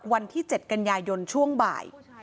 วันที่๗กันยายนช่วงบ่าย